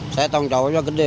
saya tanggung jawabnya gede